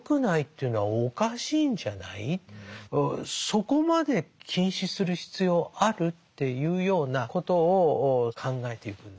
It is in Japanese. そこまで禁止する必要ある？っていうようなことを考えていくんですよね。